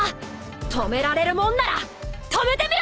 止められるもんなら止めてみろ！